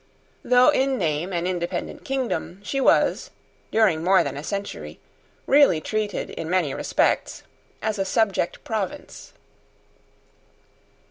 Though in name an independent kingdom, she was, during more than a century, really treated, in many respects, as a subject province.